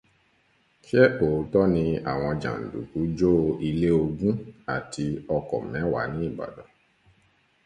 Ṣé lóòtọ́ ní àwọn jàǹdùkú jó ìlé ogún àti ọ̀kọ́ mẹ́wàá ní Ìbàdàn?